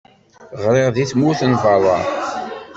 Ɣṛiɣ di tmura n beṛṛa.